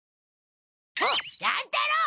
あっ乱太郎！